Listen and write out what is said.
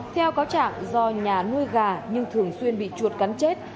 theo cáo trạng do nhà nuôi gà nhưng thường xuyên bị chuột cắn chết